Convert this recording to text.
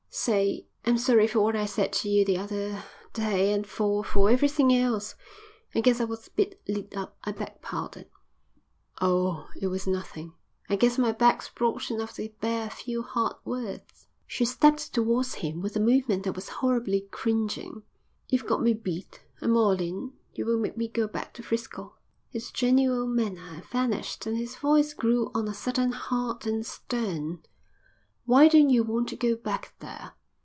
"Say, I'm sorry for what I said to you the other day an' for for everythin' else. I guess I was a bit lit up. I beg pardon." "Oh, it was nothing. I guess my back's broad enough to bear a few hard words." She stepped towards him with a movement that was horribly cringing. "You've got me beat. I'm all in. You won't make me go back to 'Frisco?" His genial manner vanished and his voice grew on a sudden hard and stern. "Why don't you want to go back there?"